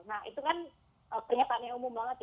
nah itu kan pernyataannya umum banget ya